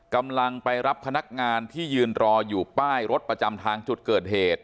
กำลังไปรับพนักงานที่ยืนรออยู่ป้ายรถประจำทางจุดเกิดเหตุ